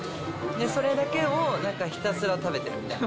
それだけをなんかひたすら食べてみたいな。